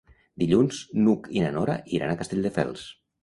Dilluns n'Hug i na Nora iran a Castelldefels.